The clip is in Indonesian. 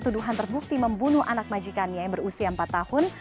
twd terbukti membunuh majikannya yang berusia empat tahun